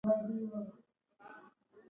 د پینګوین وزرونه د لامبو لپاره دي